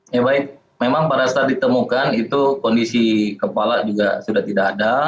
ya baik memang pada saat ditemukan itu kondisi kepala juga sudah tidak ada